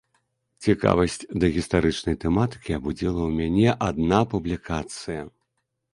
Цікавасць да гістарычнай тэматыкі абудзіла ў мяне адна публікацыя.